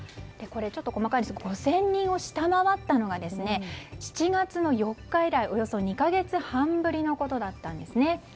ちょっと細かいですが５０００人を下回ったのが７月の４日以来およそ２か月半ぶりのことだったんですね。